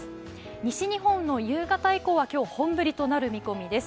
西日本の夕方以降は今日、本降りとなる見込みです。